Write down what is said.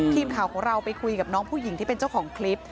ทีมข่าวของเราไปคุยกับน้องผู้หญิงที่เป็นเจ้าของคลิป